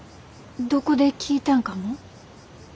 どこで聴いたんかも？